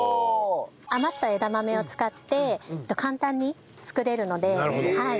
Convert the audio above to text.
余った枝豆を使って簡単に作れるので。